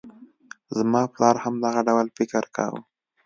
زما پلار هم دغه ډول فکر کاوه.